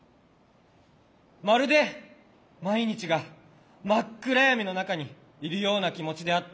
まるで毎日が真っ暗闇の中にいるような気持ちであった。